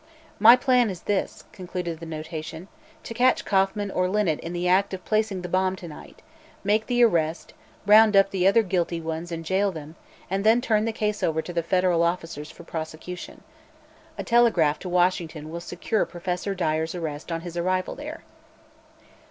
"My plan is this," concluded the notation, "to catch Kauffman or Linnet in the act of placing the bomb to night, make the arrest, round up the other guilty ones and jail them, and then turn the case over to the federal officers for prosecution. A telegram to Washington will secure Professor Dyer's arrest on his arrival there."